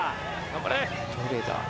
頑張れ。